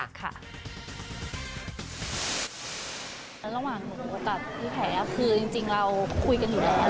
ระหว่างหนูกับพี่แขคือจริงเราคุยกันอยู่แล้ว